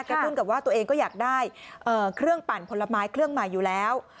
ตุ้นกับว่าตัวเองก็อยากได้เครื่องปั่นผลไม้เครื่องใหม่อยู่แล้ว